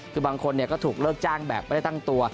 คือบางคนก็ถูกเลิกจ้างแบบไม่ได้ตั้งตัว